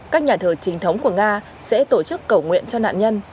các nhà thờ trình thống của nga sẽ tổ chức cầu nguyện cho nạn nhân